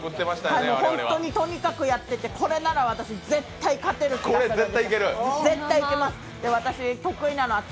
本当にとにかくやってて、これなら私、絶対勝てる気がする。